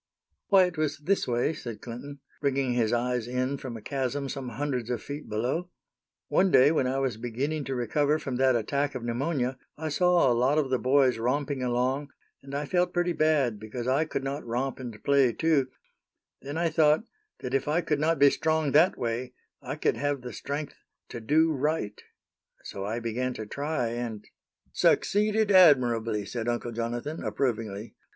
"Why, it was this way," said Clinton, bringing his eyes in from a chasm some hundreds of feet below: "one day when I was beginning to recover from that attack of pneumonia, I saw a lot of the boys romping along, and I felt pretty bad because I could not romp and play, too; then I thought that if I could not be strong that way, I could have the strength to do right; so I began to try, and " "Succeeded admirably," said Uncle Jonathan, approvingly.